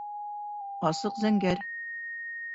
Асыҡ зәңгәр